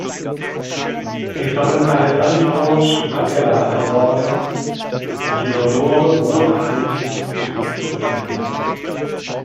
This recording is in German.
Sie sollen Alessandro Stradella ermorden und Leonore wohlbehalten zu ihm zurückbringen.